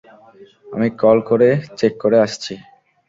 আমি কল করে চেক করে আসছি।